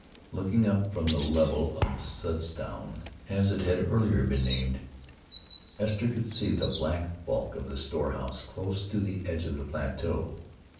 Looking up from the level of "Sudstown," as it had earlier been named, Esther could see the black bulk of the storehouse close to the edge of the plateau.